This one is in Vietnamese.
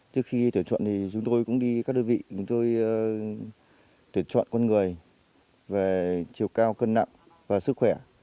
trước khi tuyển chọn thì chúng tôi cũng đi các đơn vị chúng tôi tuyển chọn con người về chiều cao cân nặng và sức khỏe